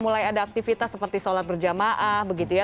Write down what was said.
mulai ada aktivitas seperti sholat berjamaah begitu ya